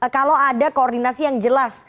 kalau ada koordinasi yang jelas